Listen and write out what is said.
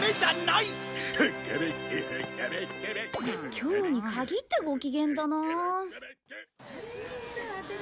今日に限ってご機嫌だなあ。